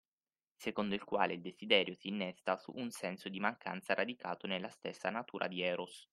Secondo il quale il desiderio si innesta su un senso di mancanza radicato nella stessa natura di Eros.